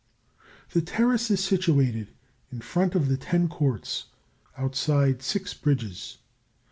The Terrace is situated in front of the Ten Courts, outside the six bridges.